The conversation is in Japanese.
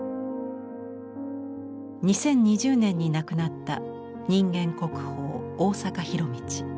２０２０年に亡くなった人間国宝大坂弘道。